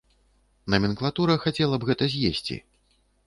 Наменклатура хацела б гэта з'есці.